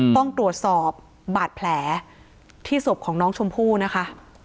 ต้องตรวจสอบบาดแผลที่ศพของน้องชมพู่นะคะ